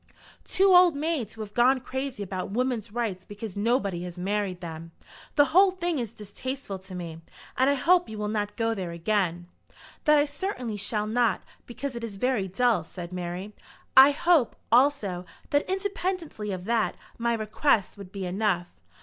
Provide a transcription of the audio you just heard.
"Two old maids who have gone crazy about Woman's Rights because nobody has married them. The whole thing is distasteful to me, and I hope you will not go there again." "That I certainly shall not, because it is very dull," said Mary. "I hope, also, that, independently of that, my request would be enough."